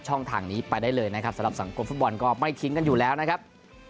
ทางนี้ไปได้เลยนะครับสำหรับสังคมฟุตบอลก็ไม่ทิ้งกันอยู่แล้วนะครับ